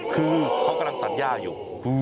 คือเขากำลังตัดย่าอยู่